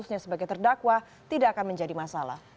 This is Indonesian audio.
statusnya sebagai terdakwa tidak akan menjadi masalah